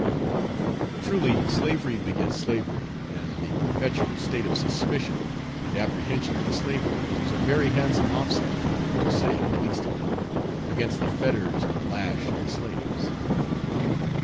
Truly slavery begets slavery, and the perpetual state of suspicion and apprehension of the slaveholders is a very handsome offset, to say the least of it, against the fetters and the lash of the slaves.